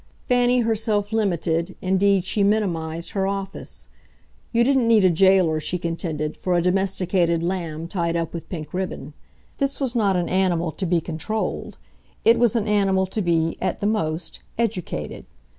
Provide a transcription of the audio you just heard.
Fanny herself limited indeed, she minimised, her office; you didn't need a jailor, she contended, for a domesticated lamb tied up with pink ribbon. This was not an animal to be controlled it was an animal to be, at the most, educated.